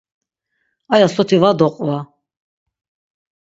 Aya soti va doqva.